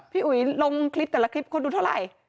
อุ๋ยลงคลิปแต่ละคลิปคนดูเท่าไหร่